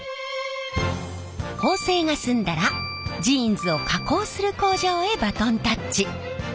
縫製が済んだらジーンズを加工する工場へバトンタッチ。